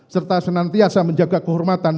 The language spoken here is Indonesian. serta senantiasa menjaga kehormatan